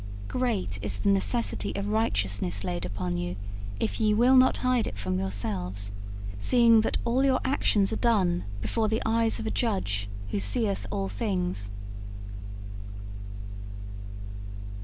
Great is the necessity of righteousness laid upon you if ye will not hide it from yourselves, seeing that all your actions are done before the eyes of a Judge who seeth all things.'